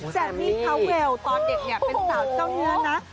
แจ่มันท้าวเอลตอนเด็กเนี่ยเป็นสาวเจ้าเนื้อนนะ